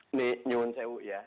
ini nyungun sewu ya